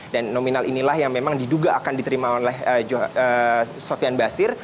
dan nominal inilah yang memang diduga akan diterima oleh sofian basir